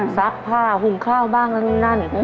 ซักผ้าหุงข้าวบ้างนู่นนั่น